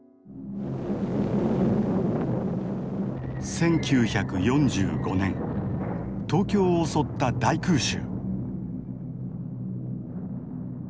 １９４５年東京を襲った大空襲。